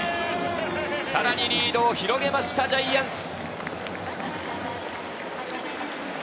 さらにリードを広げましたジャイアンツ。